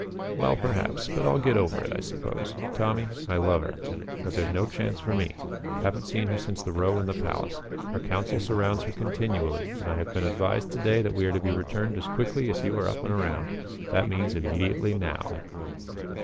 "Well, perhaps. But I'll get over it, I suppose. Tommy, I love her. But there's no chance for me. Haven't seen her since the row in the palace. Her council surrounds her continually and I have been advised to day that we are to be returned as quickly as you are up and around. That means immediately now."